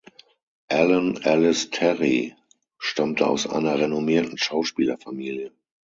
Ellen Alice Terry stammte aus einer renommierten Schauspielerfamilie.